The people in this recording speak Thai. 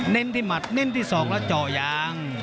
เน่นที่หมัดเน่นที่สองแล้วจ่อยาง